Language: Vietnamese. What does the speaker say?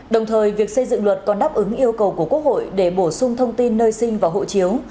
đồng thời việc xây dựng luật còn đáp ứng yêu cầu của quốc hội để bổ sung thông tin nơi sinh và hộ chiếu